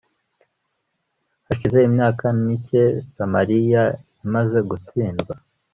hashize imyaka mike samariya imaze gutsindwa